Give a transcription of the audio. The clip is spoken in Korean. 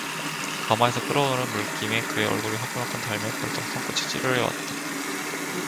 가마에서 끓어오르는 물김에 그의 얼굴이 화끈화끈 달며 벌써 손끝이 짜르르해 왔다.